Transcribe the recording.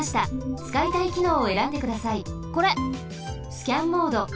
スキャンモード。